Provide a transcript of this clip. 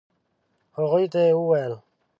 هغوی ته يې وويل.